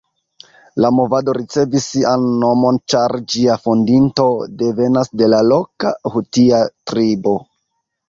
La movado ricevis sian nomon ĉar ĝia fondinto devenas de la loka hutia tribo.